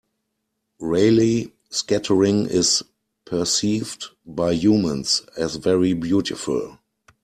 Raleigh scattering is perceived by humans as very beautiful.